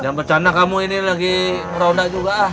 jangan bercanda kamu ini lagi meronda juga